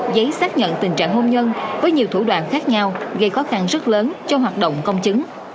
giấy xác nhận tình trạng hôn nhân với nhiều thủ đoạn khác nhau gây khó khăn rất lớn cho hoạt động công chứng